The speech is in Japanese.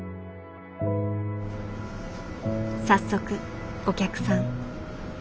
早速お客さん。